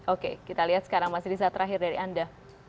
oke kita lihat sekarang mas riza terakhir dari anda